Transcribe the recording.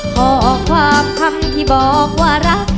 ข้อความคำที่บอกว่ารัก